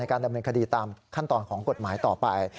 การดำเนินคดีตามขั้นตอนของกฎหมายต่อไป